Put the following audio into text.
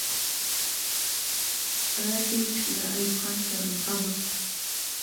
رایپټ له ایوب خان سره مخامخ سو.